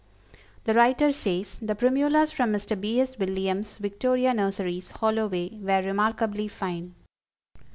The writer says: "The Primulas from Mr. B. S. Williams' Victoria Nurseries, Holloway, were remarkably fine.